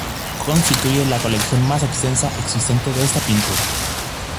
Constituye la colección más extensa existente de esta pintura.